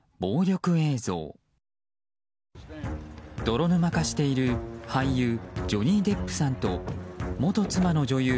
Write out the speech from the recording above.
泥沼化している俳優ジョニー・デップさんと元妻の女優